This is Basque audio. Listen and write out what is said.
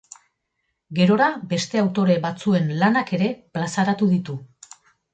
Gerora beste autore batzuen lanak ere plazaratu ditu.